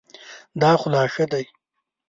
دا خو لا ښه دی .